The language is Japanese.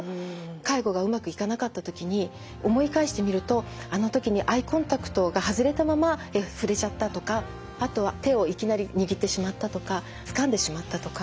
介護がうまくいかなかったときに思い返してみるとあのときにアイコンタクトが外れたまま触れちゃったとかあとは手をいきなり握ってしまったとかつかんでしまったとか。